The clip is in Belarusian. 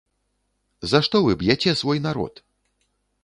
За што вы б'яце свой народ?